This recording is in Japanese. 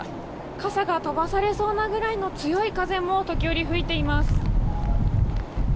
傘が飛ばされそうなぐらいの強い風も時折、吹いています。